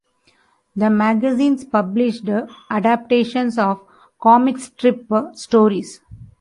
The magazines published adaptations of comic strip stories.